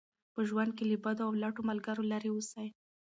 په ژوند کې له بدو او لټو ملګرو لرې اوسئ.